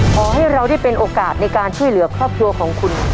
ขอให้เราได้เป็นโอกาสในการช่วยเหลือครอบครัวของคุณ